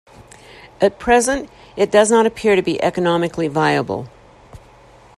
At present, it does not appear to be economically viable.